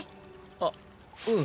あっうん。